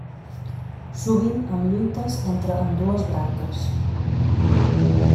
Sovint amb lluites entre ambdues branques.